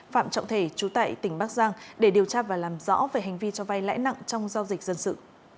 phạm trọng thể chú tại tỉnh bắc giang để điều tra và làm rõ về hành vi cho vay lãi nặng trong giao dịch dân sự